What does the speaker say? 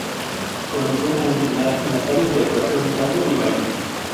Comenzó a entrenar en las áreas de actuación, canto y baile.